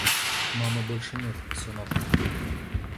Мамы больше нет, сынок.